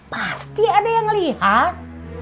pasti ada yang lihat